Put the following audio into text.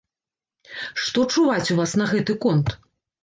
Што чуваць у вас на гэты конт?